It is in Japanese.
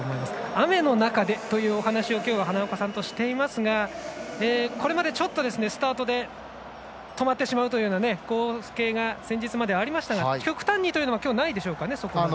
雨の中でというお話をきょうは花岡さんとしていますがこれまでちょっと、スタートで止まってしまうというような光景が、今までありましたが極端にというのはきょうはないでしょうかね。